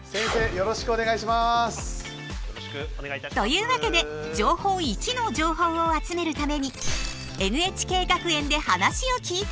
よろしくお願いします！というわけで「情報Ⅰ」の情報を集めるためにＮＨＫ学園で話を聞いてみた。